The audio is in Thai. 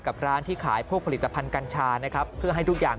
กับร้านที่ขายพวกผลิตภัณฑ์กัญชาเพื่อให้ทุกอย่างถูกต้อง